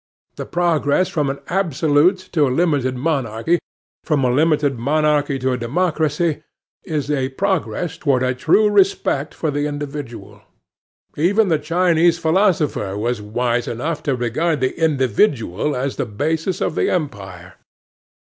The progress from an absolute to a limited monarchy, from a limited monarchy to a democracy, is a progress toward a true respect for the individual. Even the Chinese philosopher was wise enough to regard the individual as the basis of the empire.